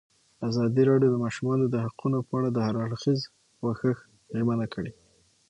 ازادي راډیو د د ماشومانو حقونه په اړه د هر اړخیز پوښښ ژمنه کړې.